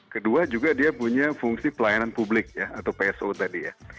kedua juga dia punya fungsi pelayanan publik ya atau pso tadi ya